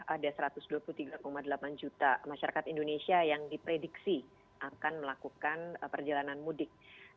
ada satu ratus dua puluh tiga delapan juta masyarakat indonesia yang diprediksi akan melakukan perjalanan mudik